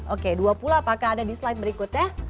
oke dua puluh apakah ada di slide berikutnya